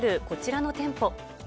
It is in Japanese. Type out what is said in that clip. こちらの店舗。